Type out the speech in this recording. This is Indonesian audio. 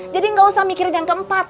jadi gak usah mikirin yang keempat